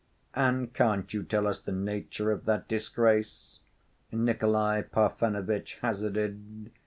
"And can't you tell us the nature of that disgrace?" Nikolay Parfenovitch hazarded.